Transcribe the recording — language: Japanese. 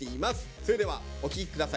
それではお聴き下さい。